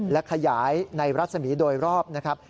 และขยายในรัศมีร์โดยรอบนะครับ